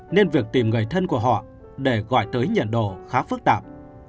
nên việc tìm người thân của họ để gọi tới nhận đồ khá phức tạp